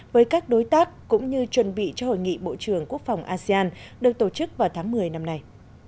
với các đối tác cũng như chuẩn bị cho hội nghị bộ trưởng quốc phòng asean được tổ chức vào tháng một mươi năm nay